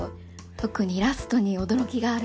特にラストに驚きがあるとか。